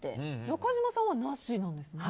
中島さんは、なしなんですね。